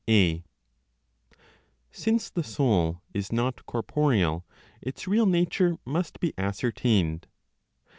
a. Since the soul is not corporeal, its real nature must be ascertained.